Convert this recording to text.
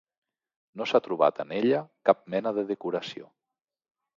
No s'ha trobat en ella cap mena de decoració.